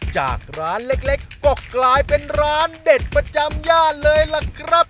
จากร้านเล็กก็กลายเป็นร้านเด็ดประจำย่านเลยล่ะครับ